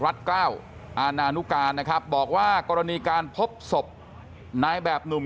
รัฐเกล้าอาณานุการนะครับบอกว่ากรณีการพบศพนายแบบหนุ่ม